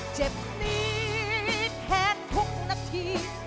เจ็บหนีแทนทุกนาที